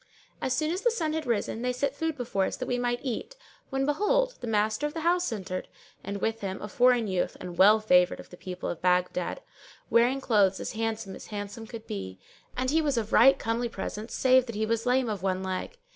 As soon as the sun had risen, they set food[FN#601] before us that we might eat when behold, the master of the house entered, and with him a foreign youth and a well favoured of the people of Baghdad, wearing clothes as handsome as handsome could be; and he was of right comely presence save that he was lame of one leg.